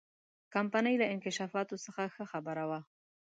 کمپنۍ له انکشافاتو څخه ښه خبره وه.